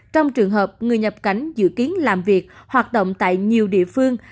trong trường hợp người nhập cảnh dự kiến làm việc hoạt động tại nhiều địa phương